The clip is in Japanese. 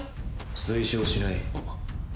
推奨しない。